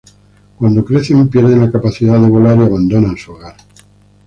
Cuando crecen pierden la capacidad de volar y abandonan su hogar.